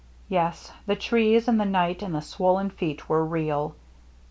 Yes, the trees and the night and the swollen feet were real.